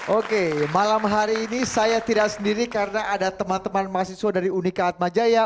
oke malam hari ini saya tidak sendiri karena ada teman teman mahasiswa dari unika atmajaya